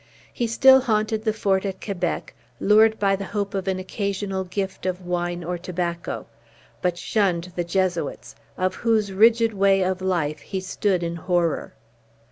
He still haunted the fort at Quebec, lured by the hope of an occasional gift of wine or tobacco, but shunned the Jesuits, of whose rigid way of life he stood in horror.